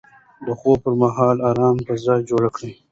د خوب پر مهال ارامه فضا جوړه کړئ.